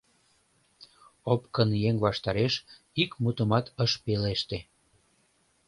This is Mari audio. Опкын еҥ ваштареш ик мутымат ыш пелеште.